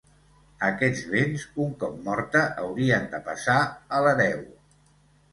Aquests béns, un cop morta, haurien de passar a l’hereu.